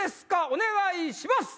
お願いします！